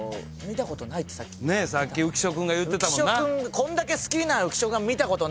さっき浮所君が言うてたもんな。